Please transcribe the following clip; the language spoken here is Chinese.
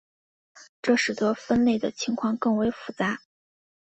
这使得分类的情况更为复杂。